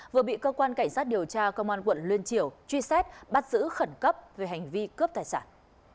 vừa bị cơ quan cảnh sát điều tra công an quận liên triểu truy xét bắt giữ khẩn cấp về hành vi cướp tài sản